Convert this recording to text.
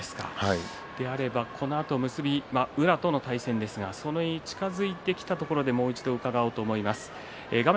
であれば、このあと結び宇良との対戦ですそれに近づいてきたところでもう一度、伺います。